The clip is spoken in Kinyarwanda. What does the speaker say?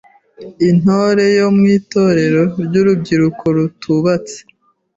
Intore yo mu Itorero ry’urubyiruko rutubatse;